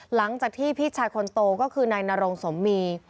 หลังจากที่พี่ชายคนโตก็คือนายนรงสมมี